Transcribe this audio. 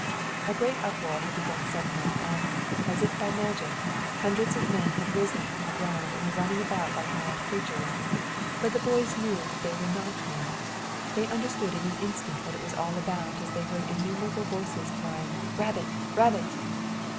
A great uproar had begun suddenly, and, as if by magic, hundreds of men had risen from the ground and were running about like mad creatures. But the boys knew that they were not mad. They understood in an instant what it was all about as they heard innumerable voices crying, "Rabbit! Rabbit!"